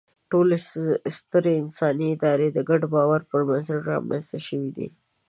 ټولې سترې انساني ادارې د ګډ باور پر بنسټ رامنځ ته شوې دي.